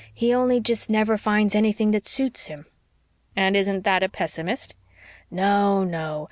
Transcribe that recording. He only jest never finds anything that suits him." "And isn't that a pessimist?" "No, no.